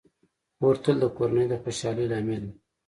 خور تل د کورنۍ د خوشحالۍ لامل وي.